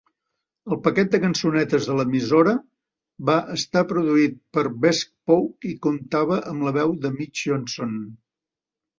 El paquet de cançonetes de l"emissora va estar produït per Bespoke i comptava amb la veu de Mitch Johnson.